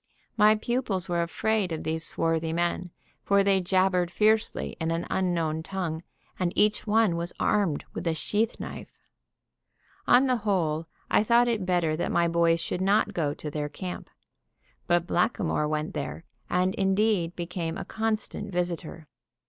My pupils were afraid of these swarthy men, for they jabbered fiercely in an unknown tongue, and each one was armed with a sheath knife. On the whole, I thought it better that my boys should not go to their camp. But Blackamoor went there, and indeed became a constant visitor.